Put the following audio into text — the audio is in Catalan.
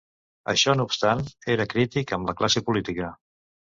Això no obstant, era crític amb la classe política.